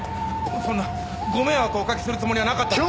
そんなご迷惑をおかけするつもりはなかったんです。